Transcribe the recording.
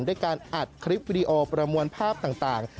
โดยการอาจคลิปคีย์วิดีโอประมวลภาพต่าง